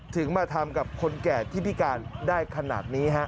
ถึงมาทำกับคนแก่ที่พิการได้ขนาดนี้ฮะ